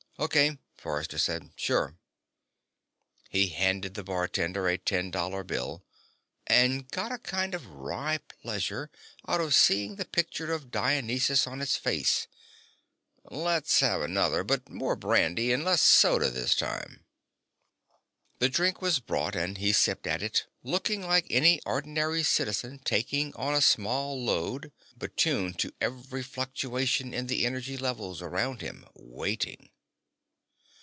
"Okay," Forrester said. "Sure." He handed the bartender a ten dollar bill and got a kind of wry pleasure out of seeing the picture of Dionysus on its face. "Let's have another, but more brandy and less soda this time." The drink was brought and he sipped at it, looking like any ordinary citizen taking on a small load, but tuned to every fluctuation in the energy levels around him, waiting.